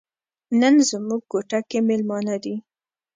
نن زموږ کوټه کې میلمانه دي.